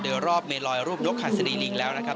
โดยรอบเมลอยรูปนกหัสดีลิงแล้วนะครับ